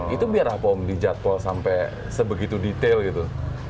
itu biar pom di jadwal sampai sebegitu detail gitu